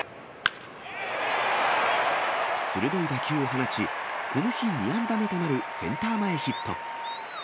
鋭い打球を放ち、この日２安打目となるセンター前ヒット。